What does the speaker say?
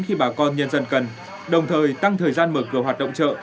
khi bà con nhân dân cần đồng thời tăng thời gian mở cửa hoạt động chợ